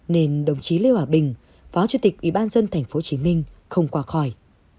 nên đồng chí lê hòa bình phó chủ tịch vĩ bát dân tp hcm không qua khỏi